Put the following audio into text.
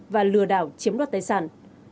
và lừa đảo chiếm đặt tài sản